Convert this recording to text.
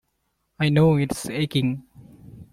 I know it's aching.